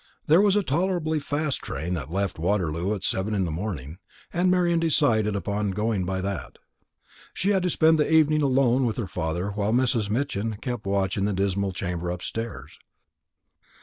There was a tolerably fast train that left Waterloo at seven in the morning, and Marian decided upon going by that. She had to spend the evening alone with her father while Mrs. Mitchin kept watch in the dismal chamber upstairs.